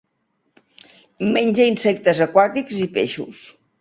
Menja insectes aquàtics i peixos.